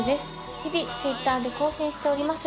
日々Ｔｗｉｔｔｅｒで更新しております